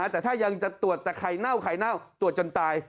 แต่ถ้ายังจะตรวจแต่ไข่เน่าไข่เน่าตรวจจนตาย